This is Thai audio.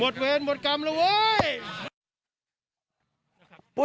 จุ้กรู้จุ้กรู้